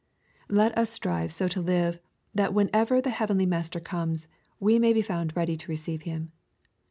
Let us strive so to live, that whenever the heavenly Master comes, we may be found ready to receive Him.